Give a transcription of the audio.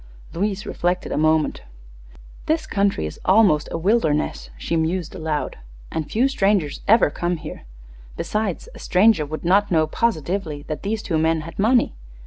Louise reflected a moment. "This country is almost a wilderness," she mused, aloud, "and few strangers ever come here. Besides, a stranger would not know positively that these two men had money.